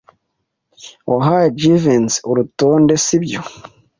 Wahaye Jivency urutonde, sibyo?